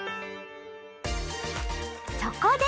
そこで！